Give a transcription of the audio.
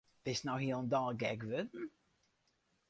Bist no hielendal gek wurden?